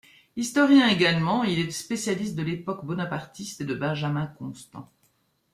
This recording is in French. Historien également, il est spécialiste de l'époque bonapartiste et de Benjamin Constant.